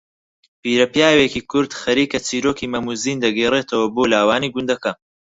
پیرەپیاوێکی کورد خەریکە چیرۆکی مەم و زین دەگێڕەتەوە بۆ لاوانی گوندەکە